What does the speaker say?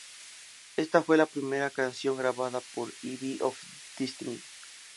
Esta fue la primera canción grabada de Eve of Destiny.